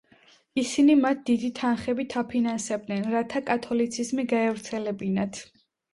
ისინი მათ დიდი თანხებით აფინანსებდნენ, რათა კათოლიციზმი გაევრცელებინათ.